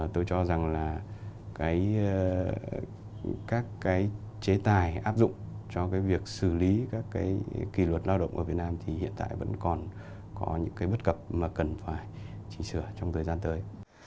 tôi cho rằng là các chế tài áp dụng cho việc xử lý các kỳ luật lao động ở việt nam thì hiện tại vẫn còn có những bất cập mà cần phải chỉnh sửa trong thời gian tới